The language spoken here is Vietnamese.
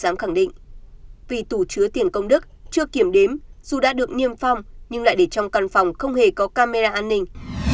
giám khẳng định vì tủ chứa tiền công đức chưa kiểm đếm dù đã được niêm phong nhưng lại để trong căn phòng không hề có camera an ninh